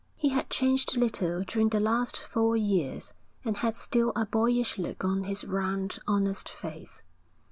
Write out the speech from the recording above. He had changed little during the last four years, and had still a boyish look on his round, honest face.